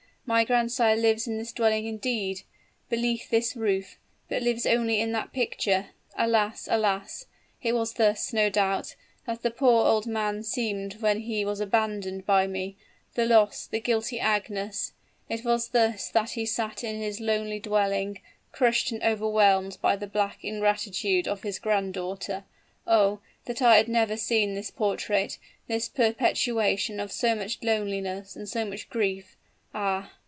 my grandsire lives in this dwelling indeed beneath this roof; but lives only in that picture! Alas! alas! It was thus, no doubt, that the poor old man seemed when he was abandoned by me the lost, the guilty Agnes! It was thus that he sat in his lonely dwelling crushed and overwhelmed by the black ingratitude of his granddaughter! Oh! that I had never seen this portrait this perpetuation of so much loneliness and so much grief! Ah!